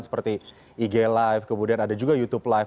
seperti ig live kemudian ada juga youtube live